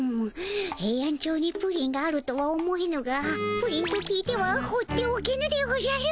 ヘイアンチョウにプリンがあるとは思えぬがプリンと聞いてはほうっておけぬでおじゃる。